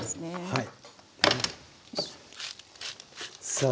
はい。